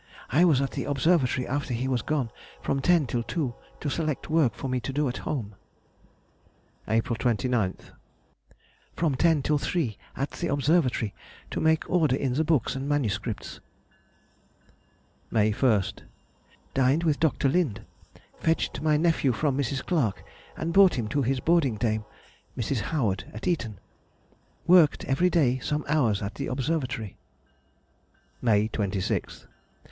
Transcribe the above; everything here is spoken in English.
I was at the Observatory after he was gone, from ten till two, to select work for me to do at home. April 29th.—From ten till three at the Observatory to make order in the books and MSS. May 1st.—Dined with Dr. Lind. Fetched my nephew from Mrs. Clark and brought him to his boarding dame, Mrs. Howard, at Eton. Worked every day some hours at the Observatory. _May 26th.